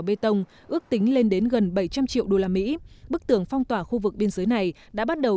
bê tông ước tính lên đến gần bảy trăm linh triệu usd bức tường phong tỏa khu vực biên giới này đã bắt đầu